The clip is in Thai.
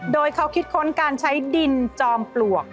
โดยเขาคิดค้นการใช้ดินจอมปลวก